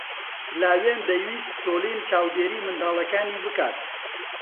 لاوین دەیویست سۆلین چاودێریی منداڵەکانی بکات.